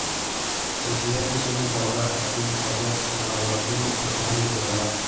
Los estudiantes suelen trabajar a tiempo parcial en el Laboratorio Nacional de Los Álamos.